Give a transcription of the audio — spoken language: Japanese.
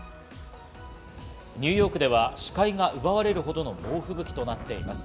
ニューヨークでは視界が奪われるほどの猛吹雪となっています。